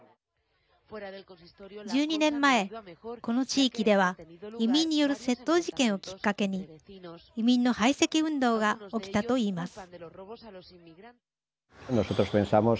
１２年前この地域では移民による窃盗事件をきっかけに移民の排斥運動が起きたといいます。